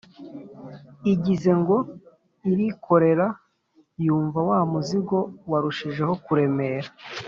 igize ngo irikorera yumva wa muzigo warushijeho kuremera,